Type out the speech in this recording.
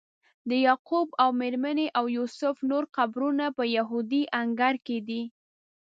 د یعقوب او میرمنې او یوسف نور قبرونه په یهودي انګړ کې دي.